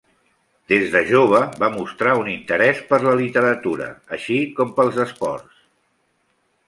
Des de jove va mostrar un interès per la literatura, així com pels esports.